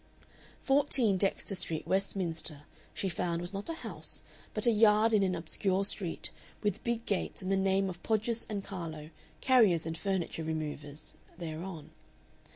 14, Dexter Street, Westminster, she found was not a house but a yard in an obscure street, with big gates and the name of Podgers & Carlo, Carriers and Furniture Removers, thereon.